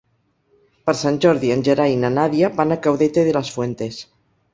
Per Sant Jordi en Gerai i na Nàdia van a Caudete de las Fuentes.